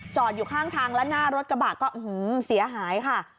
จอดอยู่ข้างทางแล้วหน้ารถกระบะก็อื้อหือเสียหายค่ะ